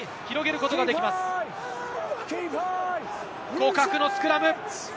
互角のスクラム。